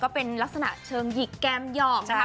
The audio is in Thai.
เป็นลักษณะเชิงหยิกแกมหยอกนะคะ